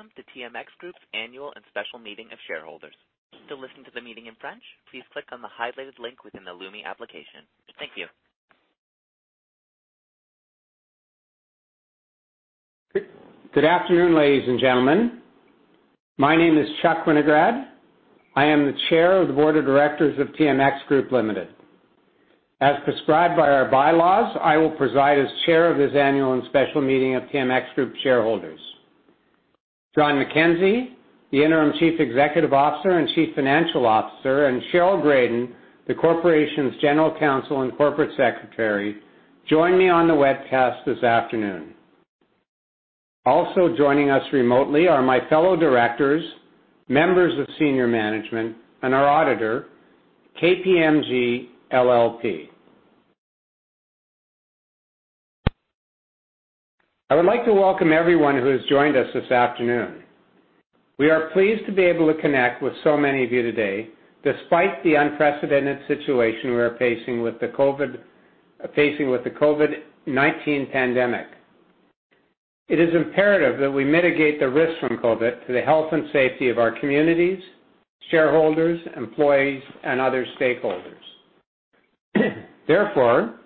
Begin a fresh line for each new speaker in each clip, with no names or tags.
Welcome to TMX Group's annual and special meeting of shareholders. To listen to the meeting in French, please click on the highlighted link within the Lumi Application. Thank you.
Good afternoon, ladies and gentlemen. My name is Charles Winograd. I am the Chair of the Board of Directors of TMX Group Limited. As prescribed by our bylaws, I will preside as Chair of this annual and special meeting of TMX Group shareholders. John McKenzie, the Interim Chief Executive Officer and Chief Financial Officer, and Cheryl Graden, the Corporation's General Counsel and Corporate Secretary, join me on the webcast this afternoon. Also joining us remotely are my fellow directors, members of senior management, and our auditor, KPMG LLP. I would like to welcome everyone who has joined us this afternoon. We are pleased to be able to connect with so many of you today, despite the unprecedented situation we are facing with the COVID-19 pandemic. It is imperative that we mitigate the risks from COVID to the health and safety of our communities, shareholders, employees, and other stakeholders. Therefore,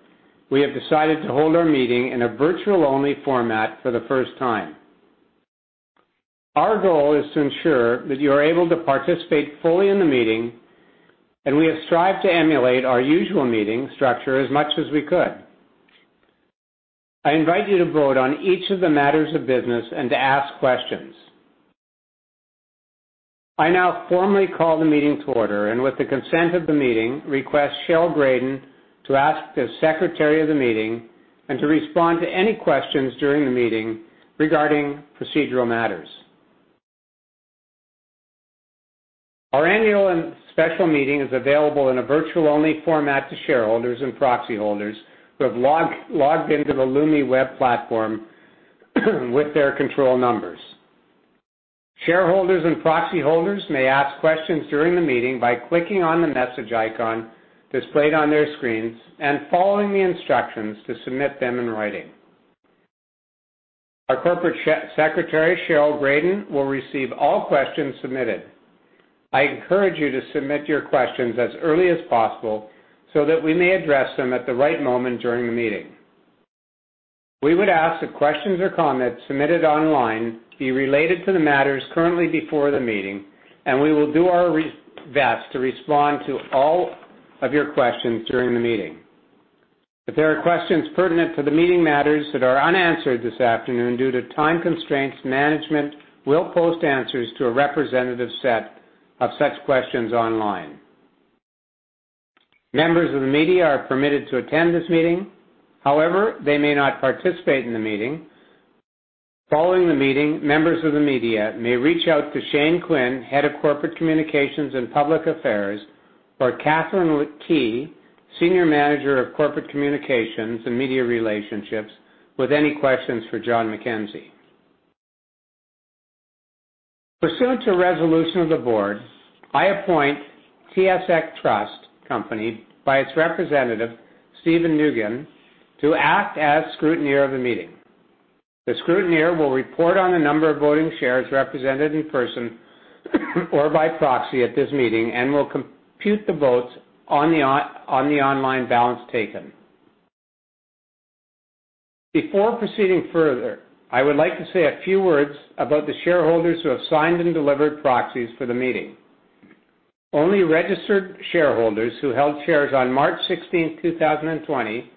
we have decided to hold our meeting in a virtual-only format for the first time. Our goal is to ensure that you are able to participate fully in the meeting, and we have strived to emulate our usual meeting structure as much as we could. I invite you to vote on each of the matters of business and to ask questions. I now formally call the meeting to order and, with the consent of the meeting, request Cheryl Graden to act as Secretary of the Meeting and to respond to any questions during the meeting regarding procedural matters. Our annual and special meeting is available in a virtual-only format to shareholders and proxy holders who have logged into the Lumi web platform with their control numbers. Shareholders and proxy holders may ask questions during the meeting by clicking on the message icon displayed on their screens and following the instructions to submit them in writing. Our Corporate Secretary, Cheryl Graden, will receive all questions submitted. I encourage you to submit your questions as early as possible so that we may address them at the right moment during the meeting. We would ask that questions or comments submitted online be related to the matters currently before the meeting, and we will do our best to respond to all of your questions during the meeting. If there are questions pertinent to the meeting matters that are unanswered this afternoon due to time constraints, management will post answers to a representative set of such questions online. Members of the media are permitted to attend this meeting. However, they may not participate in the meeting. Following the meeting, members of the media may reach out to Shane Quinn, Head of Corporate Communications and Public Affairs, or Catherine Kee, Senior Manager of Corporate Communications and Media Relationships, with any questions for John McKenzie. Pursuant to resolution of the board, I appoint TSX Trust Company by its representative, Stephen Nugent, to act as scrutineer of the meeting. The scrutineer will report on the number of voting shares represented in person or by proxy at this meeting and will compute the votes on the online balance taken. Before proceeding further, I would like to say a few words about the shareholders who have signed and delivered proxies for the meeting. Only registered shareholders who held shares on March 16, 2020,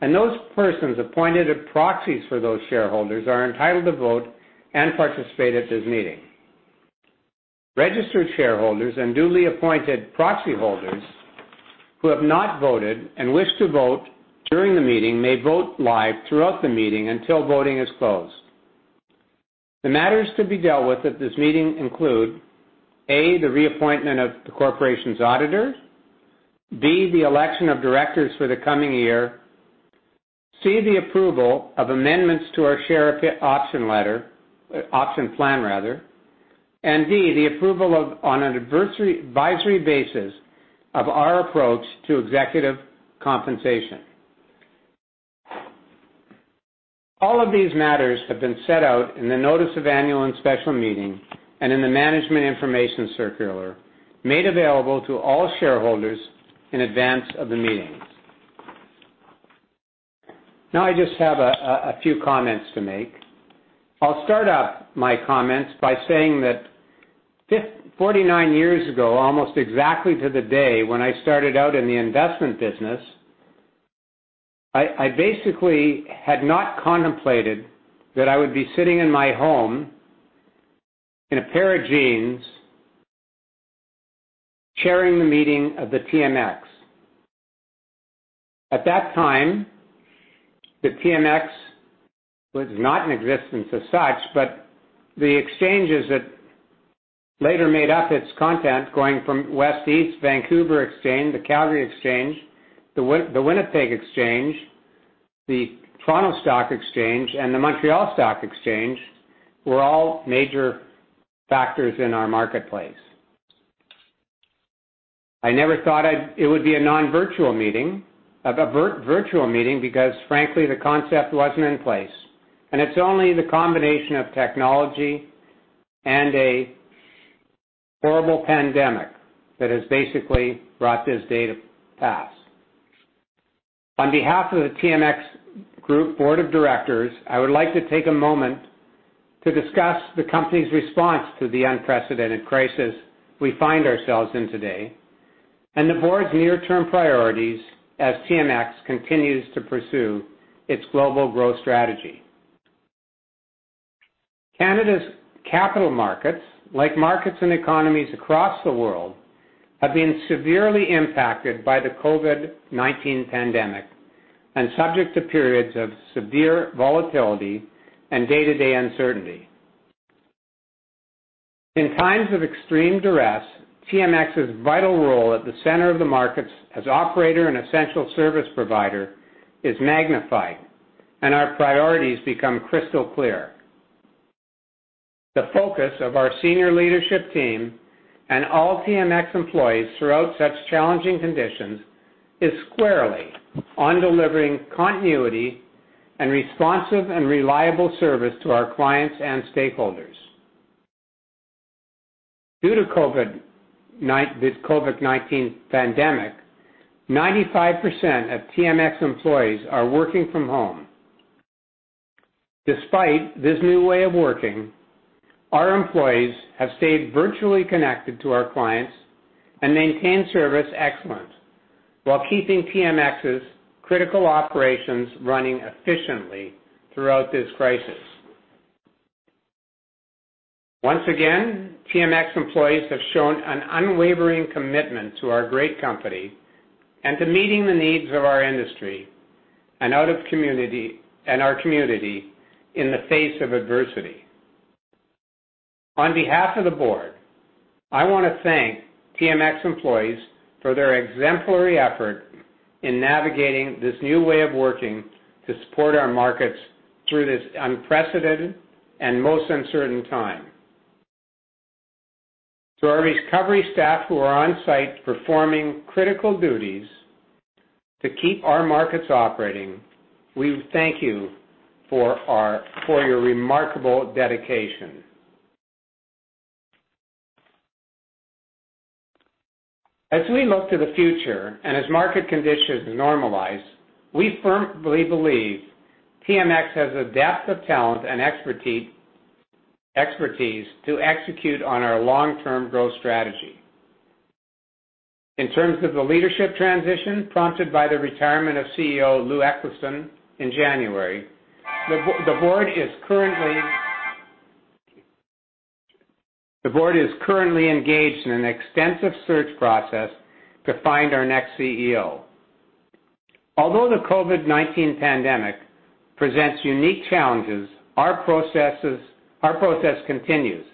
and those persons appointed as proxies for those shareholders are entitled to vote and participate at this meeting. Registered shareholders and duly appointed proxy holders who have not voted and wish to vote during the meeting may vote live throughout the meeting until voting is closed. The matters to be dealt with at this meeting include: A, the reappointment of the Corporation's auditor. B, the election of directors for the coming year. C, the approval of amendments to our share option plan. D, the approval on an advisory basis of our approach to executive compensation. All of these matters have been set out in the Notice of Annual and Special Meeting and in the Management Information Circular made available to all shareholders in advance of the meeting. Now, I just have a few comments to make. I'll start off my comments by saying that 49 years ago, almost exactly to the day when I started out in the investment business, I basically had not contemplated that I would be sitting in my home in a pair of jeans sharing the meeting of the TMX. At that time, the TMX was not in existence as such, but the exchanges that later made up its content, going from west to east, Vancouver Exchange, the Calgary Exchange, the Winnipeg Exchange, the Toronto Stock Exchange, and the Montreal Stock Exchange, were all major factors in our marketplace. I never thought it would be a non-virtual meeting, a virtual meeting, because frankly, the concept wasn't in place. It's only the combination of technology and a horrible pandemic that has basically brought this day to pass. On behalf of the TMX Group Board of Directors, I would like to take a moment to discuss the company's response to the unprecedented crisis we find ourselves in today and the board's near-term priorities as TMX continues to pursue its global growth strategy. Canada's capital markets, like markets and economies across the world, have been severely impacted by the COVID-19 pandemic and subject to periods of severe volatility and day-to-day uncertainty. In times of extreme duress, TMX's vital role at the center of the markets as operator and essential service provider is magnified, and our priorities become crystal clear. The focus of our senior leadership team and all TMX employees throughout such challenging conditions is squarely on delivering continuity and responsive and reliable service to our clients and stakeholders. Due to the COVID-19 pandemic, 95% of TMX employees are working from home. Despite this new way of working, our employees have stayed virtually connected to our clients and maintained service excellence while keeping TMX's critical operations running efficiently throughout this crisis. Once again, TMX employees have shown an unwavering commitment to our great company and to meeting the needs of our industry and our community in the face of adversity. On behalf of the board, I want to thank TMX employees for their exemplary effort in navigating this new way of working to support our markets through this unprecedented and most uncertain time. To our recovery staff who are on site performing critical duties to keep our markets operating, we thank you for your remarkable dedication. As we look to the future and as market conditions normalize, we firmly believe TMX has the depth of talent and expertise to execute on our long-term growth strategy. In terms of the leadership transition prompted by the retirement of CEO Lou Eccleston in January, the board is currently engaged in an extensive search process to find our next CEO. Although the COVID-19 pandemic presents unique challenges, our process continues,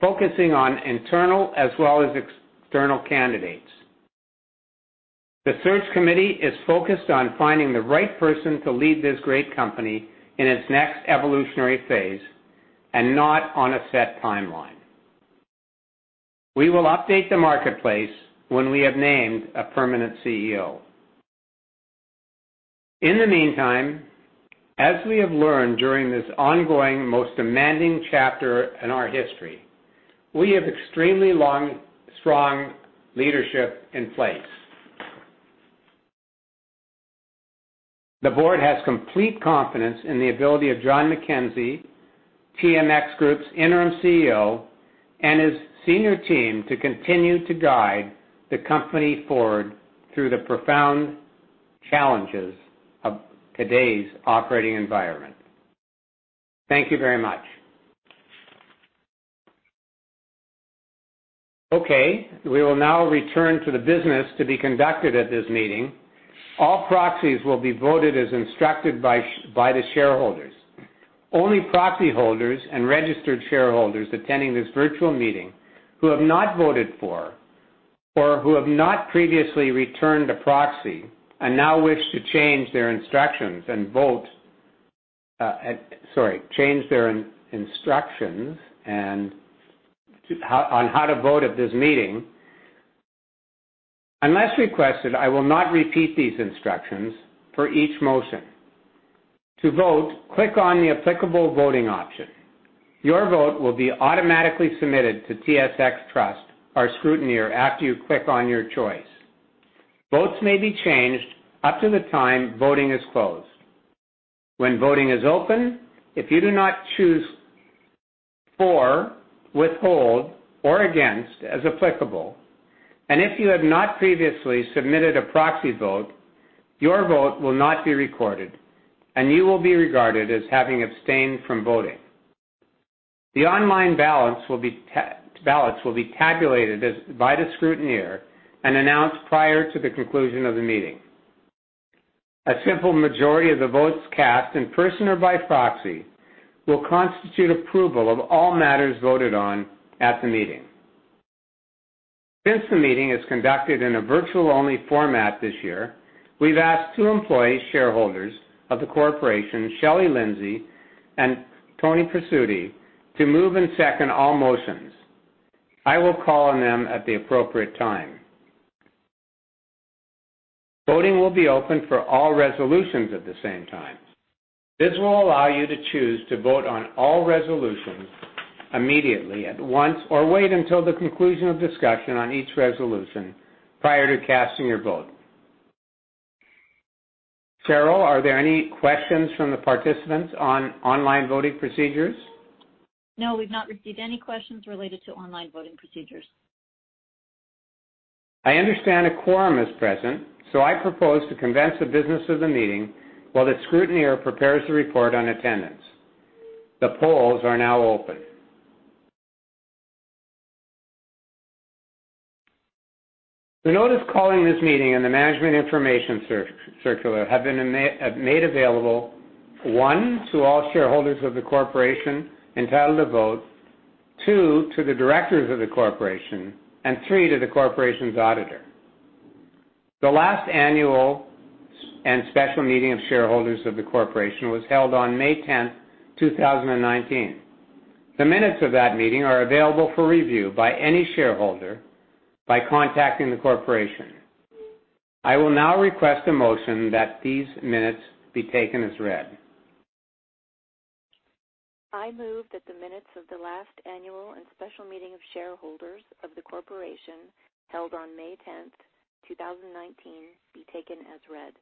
focusing on internal as well as external candidates. The search committee is focused on finding the right person to lead this great company in its next evolutionary phase and not on a set timeline. We will update the marketplace when we have named a permanent CEO. In the meantime, as we have learned during this ongoing, most demanding chapter in our history, we have extremely strong leadership in place. The board has complete confidence in the ability of John McKenzie, TMX Group's interim CEO, and his senior team to continue to guide the company forward through the profound challenges of today's operating environment. Thank you very much. We will now return to the business to be conducted at this meeting. All proxies will be voted as instructed by the shareholders. Only proxy holders and registered shareholders attending this virtual meeting who have not voted or who have not previously returned a proxy and now wish to change their instructions on how to vote at this meeting. Unless requested, I will not repeat these instructions for each motion. To vote, click on the applicable voting option. Your vote will be automatically submitted to TSX Trust, our scrutineer, after you click on your choice. Votes may be changed up to the time voting is closed. When voting is open, if you do not choose for, withhold, or against as applicable, and if you have not previously submitted a proxy vote, your vote will not be recorded, and you will be regarded as having abstained from voting. The online ballots will be tabulated by the scrutineer and announced prior to the conclusion of the meeting. A simple majority of the votes cast in person or by proxy will constitute approval of all matters voted on at the meeting. Since the meeting is conducted in a virtual-only format this year, we've asked two employee shareholders of the corporation, Shelley Lindsay and Tony Presutti, to move and second all motions. I will call on them at the appropriate time. Voting will be open for all resolutions at the same time. This will allow you to choose to vote on all resolutions immediately at once or wait until the conclusion of discussion on each resolution prior to casting your vote. Cheryl, are there any questions from the participants on online voting procedures?
No, we've not received any questions related to online voting procedures.
I understand a quorum is present, so I propose to commence the business of the meeting while the scrutineer prepares the report on attendance. The polls are now open. The notice calling this meeting and the management information circular have been made available, one, to all shareholders of the corporation entitled to vote, two, to the directors of the corporation, and three, to the corporation's auditor. The last annual and special meeting of shareholders of the corporation was held on May 10, 2019. The minutes of that meeting are available for review by any shareholder by contacting the corporation. I will now request a motion that these minutes be taken as read.
I move that the minutes of the last annual and special meeting of shareholders of the corporation held on May 10, 2019, be taken as read.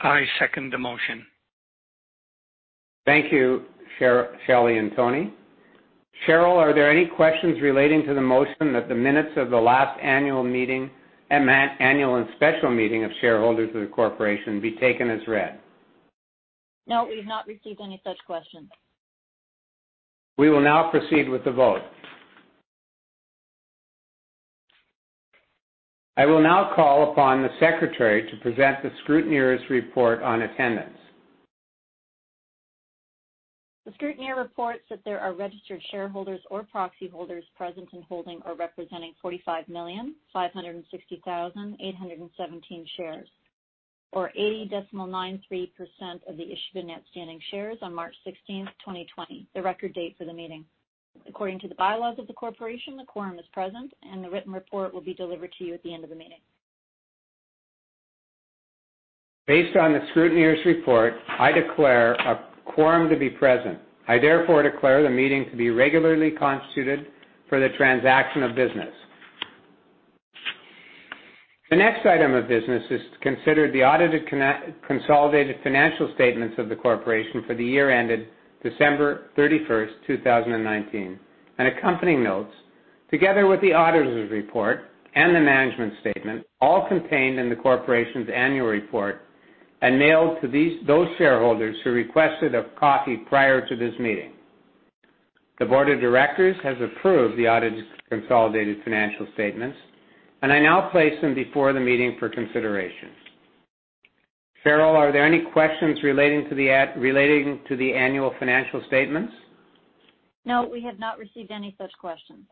I second the motion.
Thank you, Shelley and Tony. Cheryl, are there any questions relating to the motion that the minutes of the last annual meeting and annual and special meeting of shareholders of the corporation be taken as read?
No, we've not received any such questions.
We will now proceed with the vote. I will now call upon the Secretary to present the scrutineer's report on attendance.
The scrutineer reports that there are registered shareholders or proxy holders present and holding or representing 45,560,817 shares, or 80.93% of the issued and outstanding shares on March 16, 2020, the record date for the meeting. According to the bylaws of the corporation, the quorum is present, and the written report will be delivered to you at the end of the meeting.
Based on the scrutineer's report, I declare a quorum to be present. I therefore declare the meeting to be regularly constituted for the transaction of business. The next item of business is to consider the audited consolidated financial statements of the corporation for the year ended December 31, 2019, and accompanying notes, together with the auditor's report and the management statement, all contained in the corporation's annual report and mailed to those shareholders who requested a copy prior to this meeting. The board of directors has approved the audited consolidated financial statements, and I now place them before the meeting for consideration. Cheryl, are there any questions relating to the annual financial statements?
No, we have not received any such questions.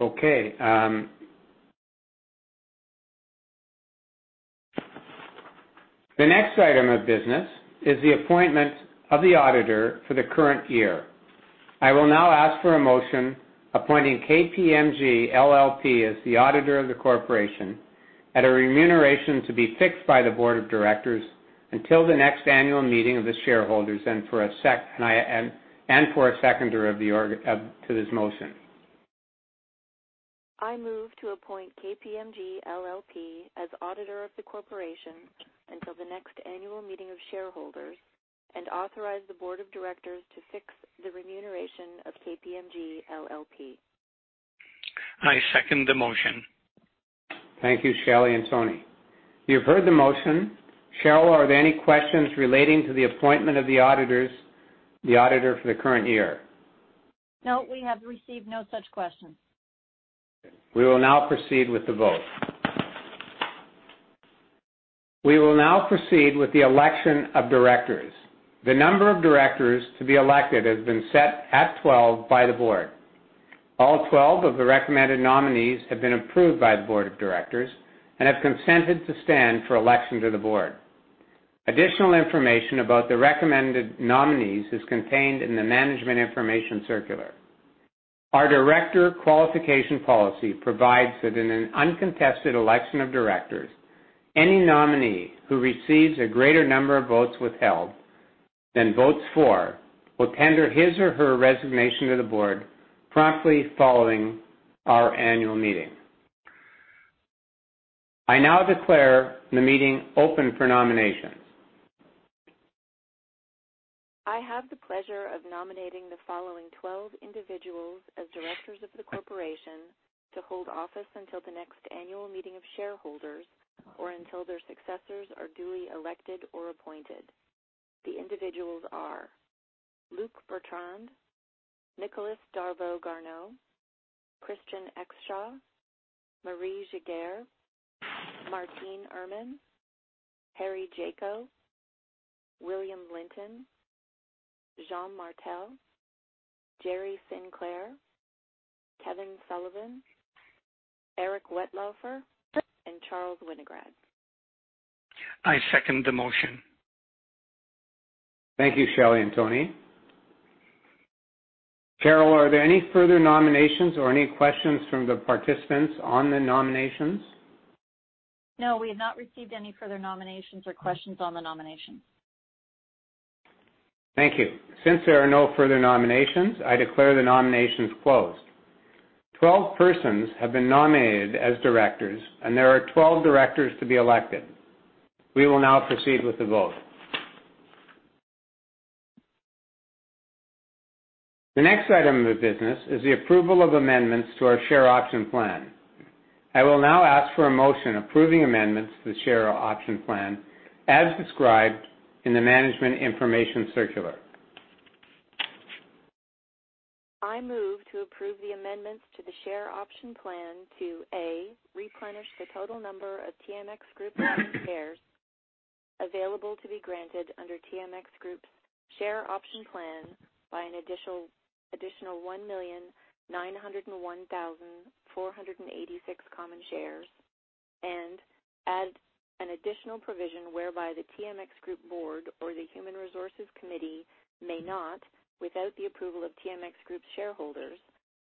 Okay. The next item of business is the appointment of the auditor for the current year. I will now ask for a motion appointing KPMG LLP as the auditor of the corporation at a remuneration to be fixed by the board of directors until the next annual meeting of the shareholders and for a seconder of this motion.
I move to appoint KPMG LLP as auditor of the corporation until the next annual meeting of shareholders and authorize the board of directors to fix the remuneration of KPMG LLP.
I second the motion.
Thank you, Shelley and Tony. You've heard the motion. Cheryl, are there any questions relating to the appointment of the auditor for the current year?
No, we have received no such questions.
We will now proceed with the vote. We will now proceed with the election of directors. The number of directors to be elected has been set at 12 by the board. All 12 of the recommended nominees have been approved by the board of directors and have consented to stand for election to the board. Additional information about the recommended nominees is contained in the management information circular. Our director qualification policy provides that in an uncontested election of directors, any nominee who receives a greater number of votes withheld than votes for will tender his or her resignation to the board promptly following our annual meeting. I now declare the meeting open for nominations.
I have the pleasure of nominating the following 12 individuals as directors of the corporation to hold office until the next annual meeting of shareholders or until their successors are duly elected or appointed. The individuals are Luc Bertrand, Nicolas Darveau-Garneau, Christian Exshaw, Marie Giguère, Martine Irman, Harry Jaako, William Linton, Jean Martel, Gerri Sinclair, Kevin Sullivan, Eric Wetlaufer, and Charles Winograd.
I second the motion.
Thank you, Shelley and Tony. Cheryl, are there any further nominations or any questions from the participants on the nominations?
No, we have not received any further nominations or questions on the nominations.
Thank you. Since there are no further nominations, I declare the nominations closed. Twelve persons have been nominated as directors, and there are twelve directors to be elected. We will now proceed with the vote. The next item of business is the approval of amendments to our share option plan. I will now ask for a motion approving amendments to the share option plan as described in the management information circular.
I move to approve the amendments to the share option plan to, A, replenish the total number of TMX Group shares available to be granted under TMX Group's share option plan by an additional 1,901,486 common shares, and add an additional provision whereby the TMX Group board or the human resources committee may not, without the approval of TMX Group's shareholders,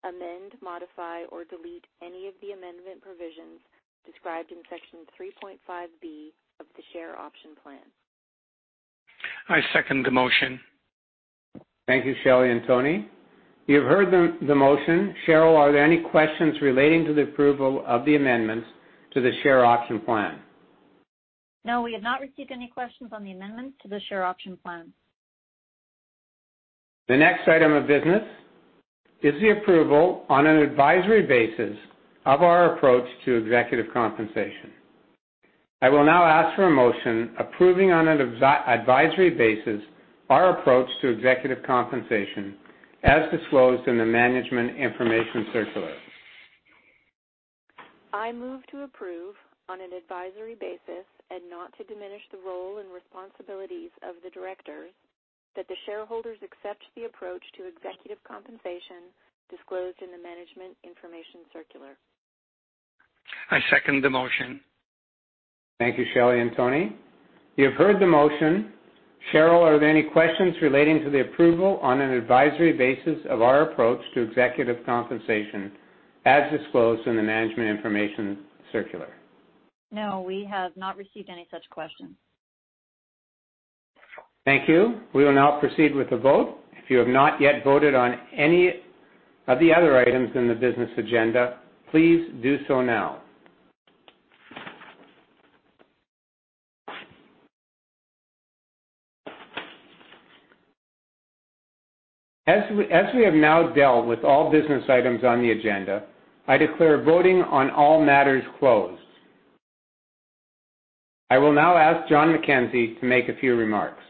amend, modify, or delete any of the amendment provisions described in section 3.5B of the share option plan.
I second the motion.
Thank you, Shelley and Tony. You've heard the motion. Cheryl, are there any questions relating to the approval of the amendments to the share option plan?
No, we have not received any questions on the amendments to the share option plan.
The next item of business is the approval on an advisory basis of our approach to executive compensation. I will now ask for a motion approving on an advisory basis our approach to executive compensation as disclosed in the management information circular.
I move to approve on an advisory basis and not to diminish the role and responsibilities of the directors that the shareholders accept the approach to executive compensation disclosed in the management information circular.
I second the motion.
Thank you, Shelley and Tony. You've heard the motion. Cheryl, are there any questions relating to the approval on an advisory basis of our approach to executive compensation as disclosed in the management information circular?
No, we have not received any such questions.
Thank you. We will now proceed with the vote. If you have not yet voted on any of the other items in the business agenda, please do so now. As we have now dealt with all business items on the agenda, I declare voting on all matters closed. I will now ask John McKenzie to make a few remarks.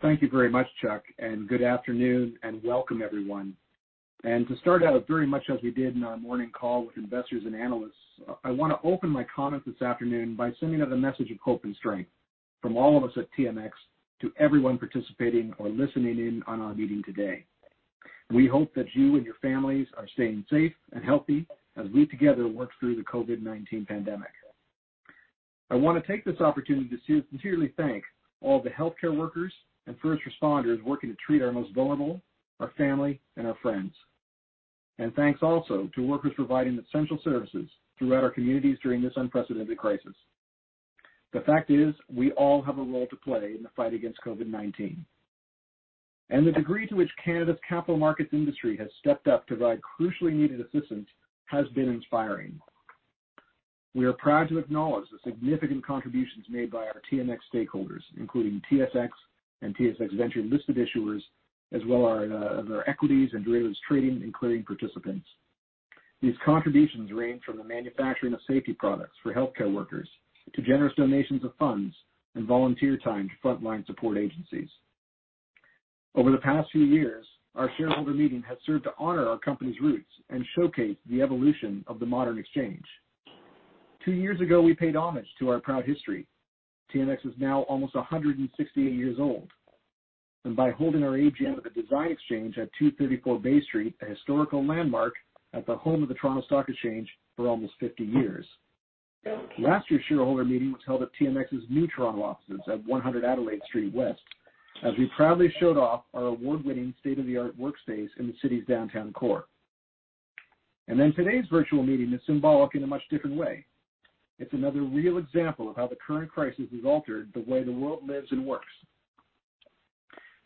Thank you very much, Chuck, and good afternoon, and welcome everyone. To start out very much as we did in our morning call with investors and analysts, I want to open my comments this afternoon by sending out a message of hope and strength from all of us at TMX to everyone participating or listening in on our meeting today. We hope that you and your families are staying safe and healthy as we together work through the COVID-19 pandemic. I want to take this opportunity to sincerely thank all the healthcare workers and first responders working to treat our most vulnerable, our family, and our friends. Thanks also to workers providing essential services throughout our communities during this unprecedented crisis. The fact is we all have a role to play in the fight against COVID-19. The degree to which Canada's capital markets industry has stepped up to provide crucially needed assistance has been inspiring. We are proud to acknowledge the significant contributions made by our TMX stakeholders, including TSX and TSX Venture listed issuers, as well as our equities and derivatives trading and clearing participants. These contributions range from the manufacturing of safety products for healthcare workers to generous donations of funds and volunteer time to frontline support agencies. Over the past few years, our shareholder meeting has served to honor our company's roots and showcase the evolution of the modern exchange. Two years ago, we paid homage to our proud history. TMX is now almost 168 years old. By holding our AGM at the Design Exchange at 234 Bay Street, a historical landmark at the home of the Toronto Stock Exchange, for almost 50 years. Last year, shareholder meeting was held at TMX's new Toronto offices at 100 Adelaide Street West, as we proudly showed off our award-winning state-of-the-art workspace in the city's downtown core. Today's virtual meeting is symbolic in a much different way. It's another real example of how the current crisis has altered the way the world lives and works.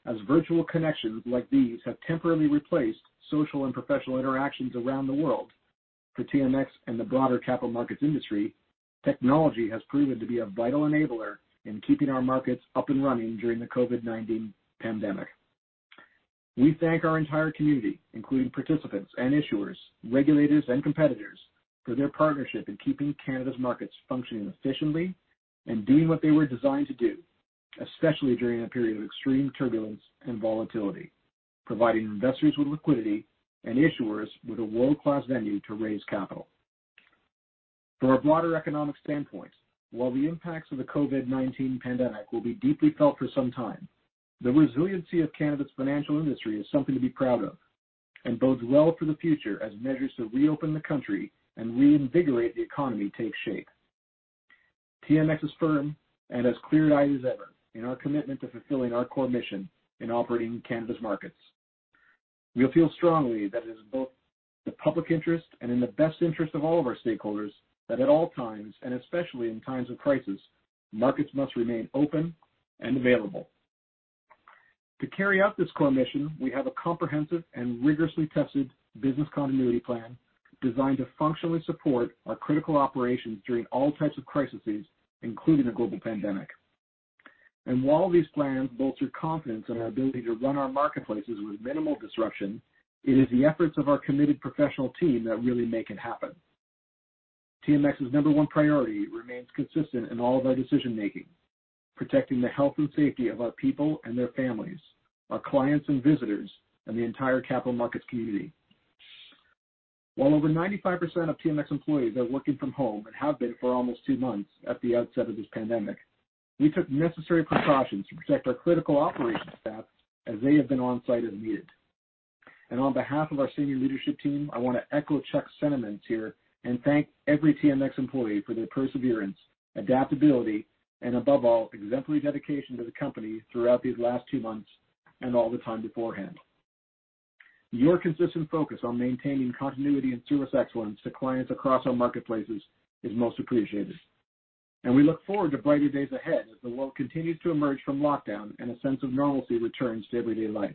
As virtual connections like these have temporarily replaced social and professional interactions around the world for TMX and the broader capital markets industry, technology has proven to be a vital enabler in keeping our markets up and running during the COVID-19 pandemic. We thank our entire community, including participants and issuers, regulators, and competitors, for their partnership in keeping Canada's markets functioning efficiently and doing what they were designed to do, especially during a period of extreme turbulence and volatility, providing investors with liquidity and issuers with a world-class venue to raise capital. From a broader economic standpoint, while the impacts of the COVID-19 pandemic will be deeply felt for some time, the resiliency of Canada's financial industry is something to be proud of and bodes well for the future as measures to reopen the country and reinvigorate the economy take shape. TMX is firm and as clear-eyed as ever in our commitment to fulfilling our core mission in operating in Canada's markets. We feel strongly that it is both in the public interest and in the best interest of all of our stakeholders that at all times, especially in times of crisis, markets must remain open and available. To carry out this core mission, we have a comprehensive and rigorously tested business continuity plan designed to functionally support our critical operations during all types of crises, including a global pandemic. While these plans bolster confidence in our ability to run our marketplaces with minimal disruption, it is the efforts of our committed professional team that really make it happen. TMX's number one priority remains consistent in all of our decision-making, protecting the health and safety of our people and their families, our clients and visitors, and the entire capital markets community. While over 95% of TMX employees are working from home and have been for almost two months at the outset of this pandemic, we took necessary precautions to protect our critical operations staff as they have been on-site as needed. On behalf of our senior leadership team, I want to echo Chuck's sentiments here and thank every TMX employee for their perseverance, adaptability, and above all, exemplary dedication to the company throughout these last two months and all the time beforehand. Your consistent focus on maintaining continuity and service excellence to clients across our marketplaces is most appreciated. We look forward to brighter days ahead as the world continues to emerge from lockdown and a sense of normalcy returns to everyday life.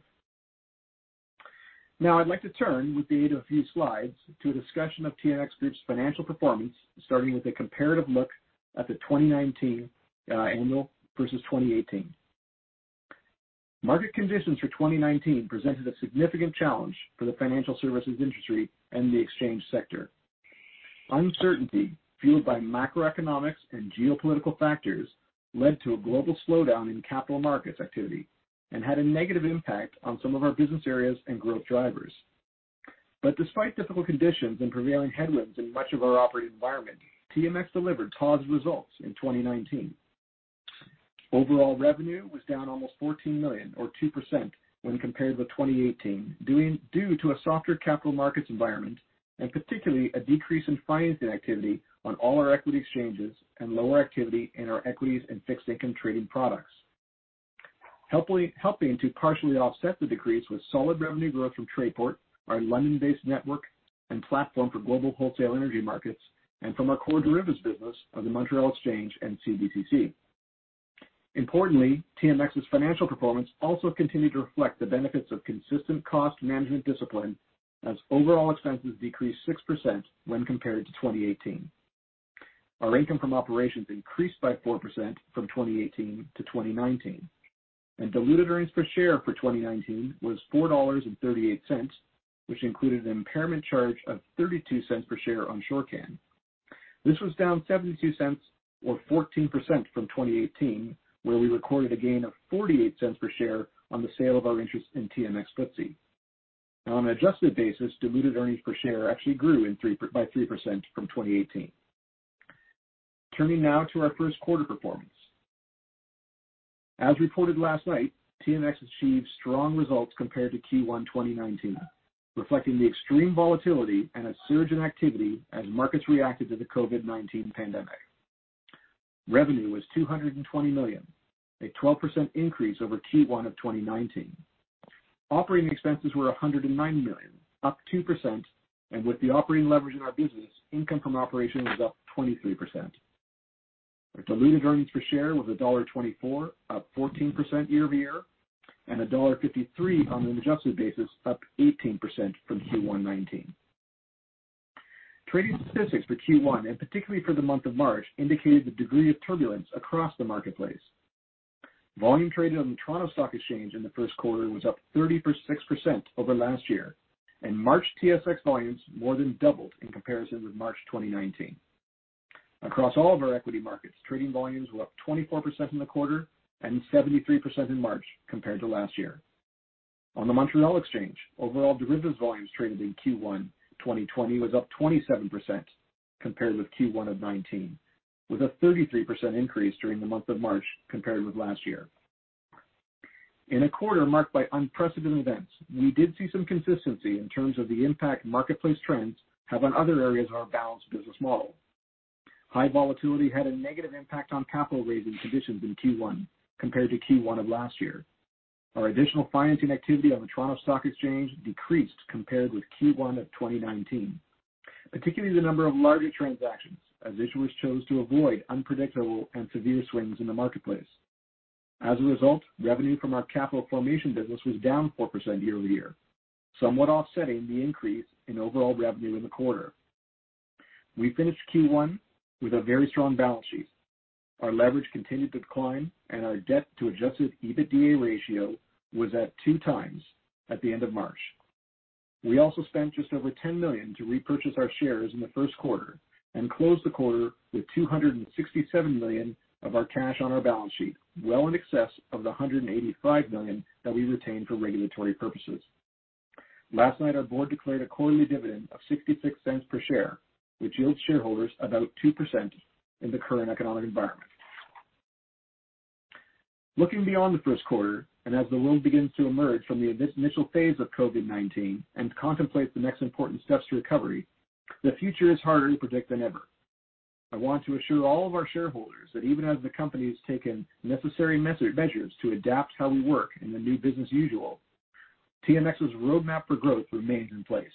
Now, I'd like to turn, with the aid of a few slides, to a discussion of TMX Group's financial performance, starting with a comparative look at the 2019 annual versus 2018. Market conditions for 2019 presented a significant challenge for the financial services industry and the exchange sector. Uncertainty fueled by macroeconomics and geopolitical factors led to a global slowdown in capital markets activity and had a negative impact on some of our business areas and growth drivers. Despite difficult conditions and prevailing headwinds in much of our operating environment, TMX delivered positive results in 2019. Overall revenue was down almost $14 million, or 2%, when compared with 2018, due to a softer capital markets environment and particularly a decrease in financing activity on all our equity exchanges and lower activity in our equities and fixed income trading products. Helping to partially offset the decrease was solid revenue growth from TradePort, our London-based network and platform for global wholesale energy markets, and from our core derivatives business of the Montreal Exchange and CBCC. Importantly, TMX's financial performance also continued to reflect the benefits of consistent cost management discipline as overall expenses decreased 6% when compared to 2018. Our income from operations increased by 4% from 2018 to 2019. Diluted earnings per share for 2019 was $4.38, which included an impairment charge of $0.32 per share on Shorcan. This was down $0.72, or 14%, from 2018, where we recorded a gain of $0.48 per share on the sale of our interest in TMX FTSE. On an adjusted basis, diluted earnings per share actually grew by 3% from 2018. Turning now to our first quarter performance. As reported last night, TMX achieved strong results compared to Q1 2019, reflecting the extreme volatility and a surge in activity as markets reacted to the COVID-19 pandemic. Revenue was $220 million, a 12% increase over Q1 of 2019. Operating expenses were $109 million, up 2%, and with the operating leverage in our business, income from operations was up 23%. Our diluted earnings per share was $1.24, up 14% year-over-year, and $1.53 on an adjusted basis, up 18% from Q1 2019. Trading statistics for Q1, and particularly for the month of March, indicated the degree of turbulence across the marketplace. Volume traded on the Toronto Stock Exchange in the first quarter was up 36% over last year, and March TSX volumes more than doubled in comparison with March 2019. Across all of our equity markets, trading volumes were up 24% in the quarter and 73% in March compared to last year. On the Montreal Exchange, overall derivatives volumes traded in Q1 2020 was up 27% compared with Q1 of 2019, with a 33% increase during the month of March compared with last year. In a quarter marked by unprecedented events, we did see some consistency in terms of the impact marketplace trends have on other areas of our balanced business model. High volatility had a negative impact on capital raising conditions in Q1 compared to Q1 of last year. Our additional financing activity on the Toronto Stock Exchange decreased compared with Q1 of 2019, particularly the number of larger transactions as issuers chose to avoid unpredictable and severe swings in the marketplace. As a result, revenue from our capital formation business was down 4% year-over-year, somewhat offsetting the increase in overall revenue in the quarter. We finished Q1 with a very strong balance sheet. Our leverage continued to decline, and our debt to adjusted EBITDA ratio was at 2x at the end of March. We also spent just over $10 million to repurchase our shares in the first quarter and closed the quarter with $267 million of our cash on our balance sheet, well in excess of the $185 million that we retained for regulatory purposes. Last night, our board declared a quarterly dividend of $0.66 per share, which yields shareholders about 2% in the current economic environment. Looking beyond the first quarter, and as the world begins to emerge from the initial phase of COVID-19 and contemplates the next important steps to recovery, the future is harder to predict than ever. I want to assure all of our shareholders that even as the company has taken necessary measures to adapt how we work in the new business usual, TMX's roadmap for growth remains in place.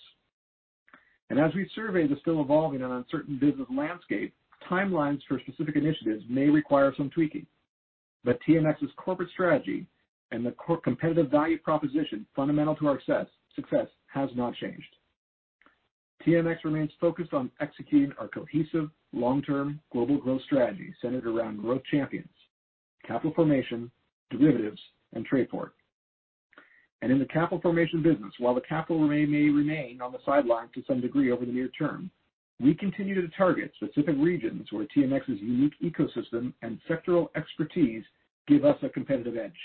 As we survey the still evolving and uncertain business landscape, timelines for specific initiatives may require some tweaking. TMX's corporate strategy and the competitive value proposition fundamental to our success has not changed. TMX remains focused on executing our cohesive, long-term global growth strategy centered around growth champions, capital formation, derivatives, and TradePort. In the capital formation business, while the capital may remain on the sidelines to some degree over the near term, we continue to target specific regions where TMX's unique ecosystem and sectoral expertise give us a competitive edge.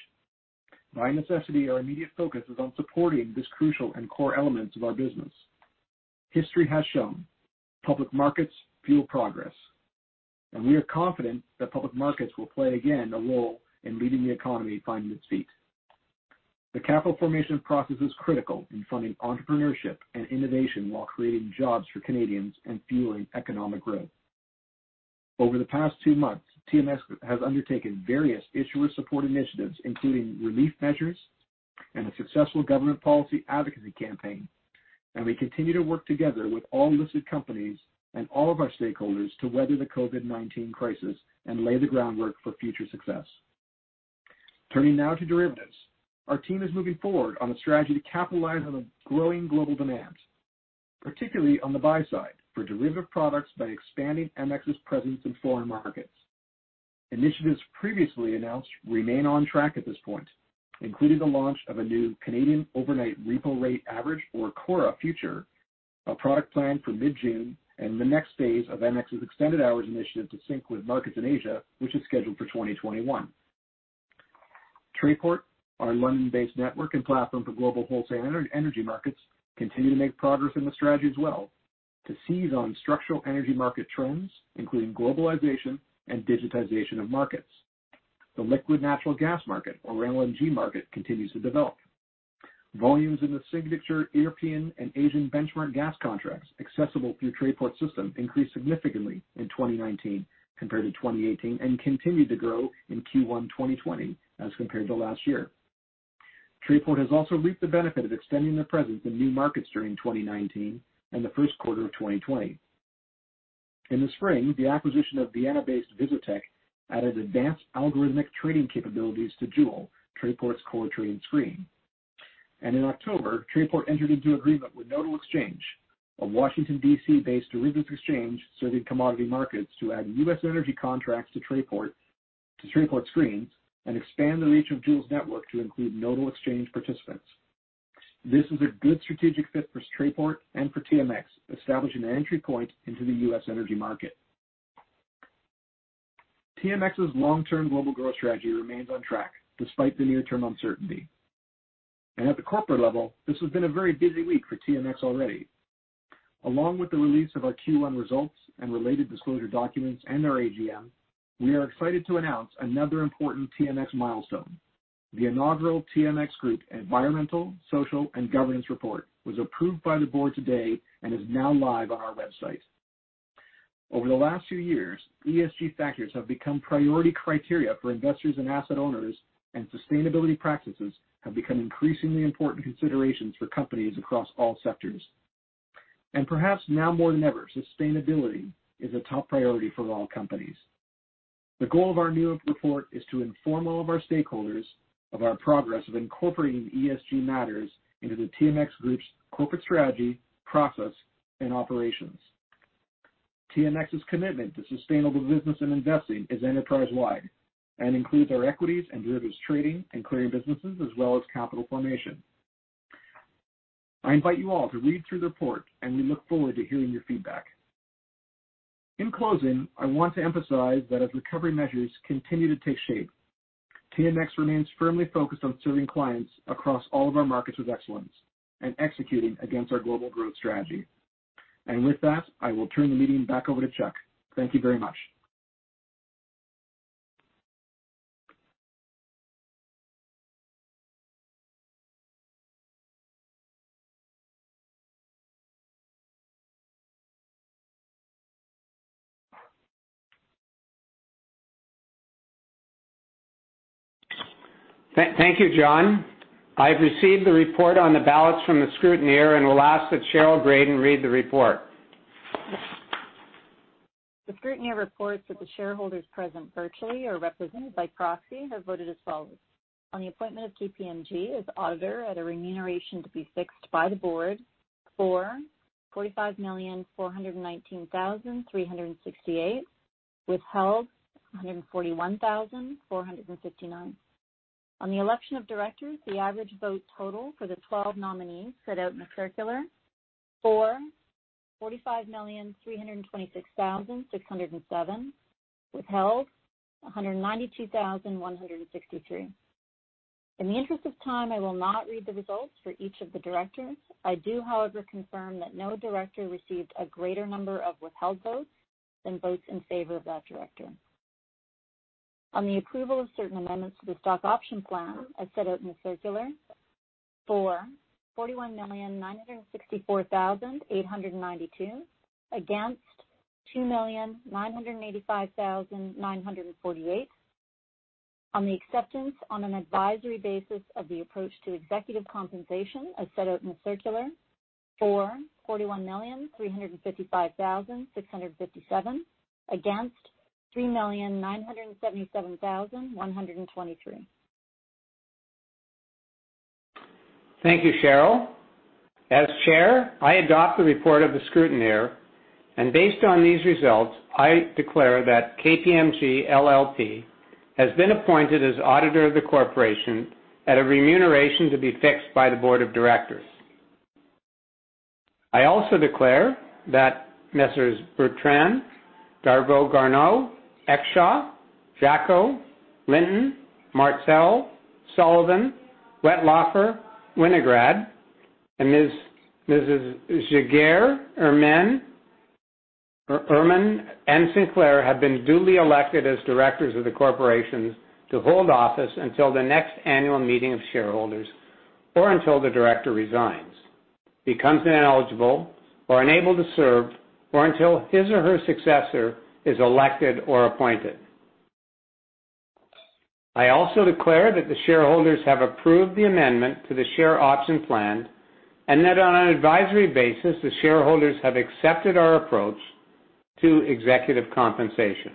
By necessity, our immediate focus is on supporting this crucial and core element of our business. History has shown public markets fuel progress, and we are confident that public markets will play again a role in leading the economy finding its feet. The capital formation process is critical in funding entrepreneurship and innovation while creating jobs for Canadians and fueling economic growth. Over the past two months, TMX has undertaken various issuer support initiatives, including relief measures and a successful government policy advocacy campaign. We continue to work together with all listed companies and all of our stakeholders to weather the COVID-19 crisis and lay the groundwork for future success. Turning now to derivatives, our team is moving forward on a strategy to capitalize on the growing global demand, particularly on the buy side for derivative products by expanding Montreal Exchange's presence in foreign markets. Initiatives previously announced remain on track at this point, including the launch of a new Canadian overnight repo rate average, or CORRA future, a product planned for mid-June and the next phase of Montreal Exchange's extended hours initiative to sync with markets in Asia, which is scheduled for 2021. TradePort, our London-based network and platform for global wholesale energy markets, continues to make progress in the strategy as well to seize on structural energy market trends, including globalization and digitization of markets. The liquid natural gas market, or LNG market, continues to develop. Volumes in the signature European and Asian benchmark gas contracts accessible through TradePort's system increased significantly in 2019 compared to 2018 and continued to grow in Q1 2020 as compared to last year. TradePort has also reaped the benefit of extending their presence in new markets during 2019 and the first quarter of 2020. In the spring, the acquisition of Vienna-based VISIOTECH added advanced algorithmic trading capabilities to JUUL, TradePort's core trading screen. In October, TradePort entered into agreement with Nodal Exchange, a Washington, D.C.-based derivatives exchange serving commodity markets, to add U.S. energy contracts to TradePort's screens and expand the reach of JUUL's network to include Nodal Exchange participants. This is a good strategic fit for TradePort and for TMX, establishing an entry point into the U.S. energy market. TMX's long-term global growth strategy remains on track despite the near-term uncertainty. At the corporate level, this has been a very busy week for TMX already. Along with the release of our Q1 results and related disclosure documents and our AGM, we are excited to announce another important TMX milestone. The inaugural TMX Group Environmental, Social, and Governance Report was approved by the board today and is now live on our website. Over the last few years, ESG factors have become priority criteria for investors and asset owners, and sustainability practices have become increasingly important considerations for companies across all sectors. Perhaps now more than ever, sustainability is a top priority for all companies. The goal of our new report is to inform all of our stakeholders of our progress of incorporating ESG matters into the TMX Group's corporate strategy, process, and operations. TMX's commitment to sustainable business and investing is enterprise-wide and includes our equities and derivatives trading and clearing businesses, as well as capital formation. I invite you all to read through the report, and we look forward to hearing your feedback. In closing, I want to emphasize that as recovery measures continue to take shape, TMX remains firmly focused on serving clients across all of our markets with excellence and executing against our global growth strategy. With that, I will turn the meeting back over to Chuck. Thank you very much.
Thank you, John. I've received the report on the ballots from the scrutineer and will ask that Cheryl Graden read the report.
The scrutineer reports that the shareholders present virtually or represented by proxy have voted as follows. On the appointment of KPMG LLP, its auditor, and remuneration to be fixed by the board, for $45,419,368, withheld $141,459. On the election of directors, the average vote total for the 12 nominees set out in the circular, for $45,326,607, withheld $192,163. In the interest of time, I will not read the results for each of the directors. I do, however, confirm that no director received a greater number of withheld votes than votes in favor of that director. On the approval of certain amendments to the share option plan, as set out in the circular, for $41,964,892, against $2,985,948. On the acceptance on an advisory basis of the approach to executive compensation, as set out in the circular, for $41,355,657, against $3,977,123.
Thank you, Cheryl. As Chair, I adopt the report of the scrutineer. Based on these results, I declare that KPMG LLP has been appointed as auditor of the corporation at a remuneration to be fixed by the Board of Directors. I also declare that Mercie, Bertrand, Darveau-Garneau, Eccleston, Jaako, Linton, Martel, Sullivan, Wetlaufer, Winograd, and Erman, and Sinclair have been duly elected as directors of the corporation to hold office until the next annual meeting of shareholders or until the director resigns, becomes ineligible or unable to serve, or until his or her successor is elected or appointed. I also declare that the shareholders have approved the amendment to the share option plan and that, on an advisory basis, the shareholders have accepted our approach to executive compensation.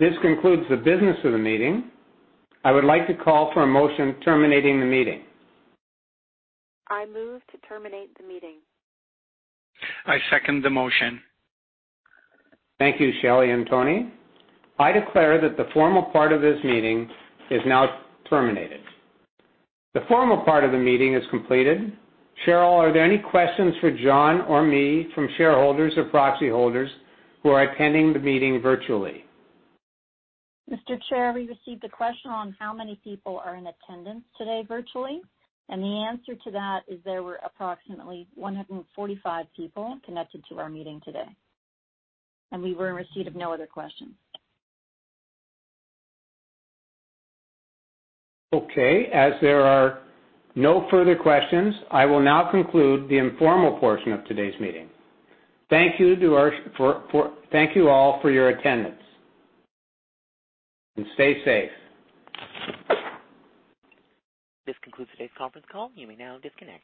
This concludes the business of the meeting. I would like to call for a motion terminating the meeting.
I move to terminate the meeting.
I second the motion.
Thank you, Shelley and Tony. I declare that the formal part of this meeting is now terminated. The formal part of the meeting is completed. Cheryl, are there any questions for John or me from shareholders or proxy holders who are attending the meeting virtually?
Mr. Chair, we received a question on how many people are in attendance today virtually. The answer to that is there were approximately 145 people connected to our meeting today. We were in receipt of no other questions.
Okay. As there are no further questions, I will now conclude the informal portion of today's meeting. Thank you all for your attendance. Stay safe.
This concludes today's conference call. You may now disconnect.